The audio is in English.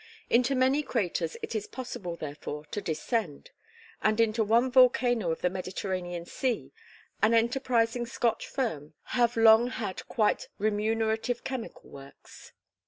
Into many craters it is possible therefore to descend: and into one volcano of the Mediterranean Sea an enterprising Scotch firm have long had quite remunerative chemical works.